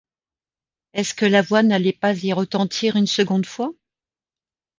Est-ce que la voix n’allait pas y retentir une seconde fois ?